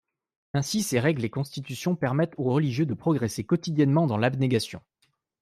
Ainsi ces règles et constitutions permettent au religieux de progresser quotidiennement dans l'abnégation.